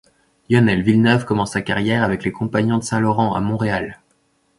Lionel Villeneuve commence sa carrière avec les Compagnons de Saint-Laurent, à Montréal.